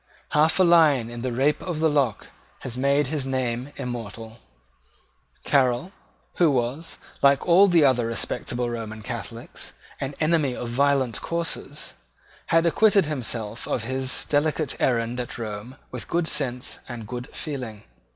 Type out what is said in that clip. Half a line in the Rape of the Lock has made his name immortal. Caryl, who was, like all the other respectable Roman Catholics, an enemy to violent courses, had acquitted himself of his delicate errand at Rome with good sense and good feeling.